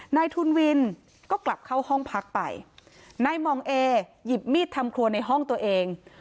นายทุนวินก็กลับเข้าห้องพักไปนายมองเอหยิบมีดทำครัวในห้องตัวเอง